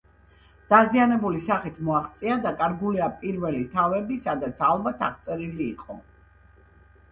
დაზიანებული სახით მოაღწია. დაკარგულია პირველი თავები, სადაც, ალბათ, აღწერილი იყო